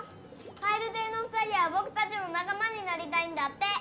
カエルテイの２人はぼくたちの仲間になりたいんだって。